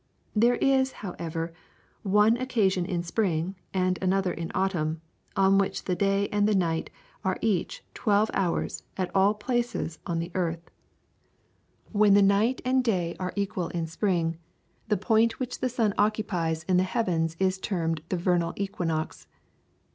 There is, however, one occasion in spring, and another in autumn, on which the day and the night are each twelve hours at all places on the earth. When the night and day are equal in spring, the point which the sun occupies on the heavens is termed the vernal equinox.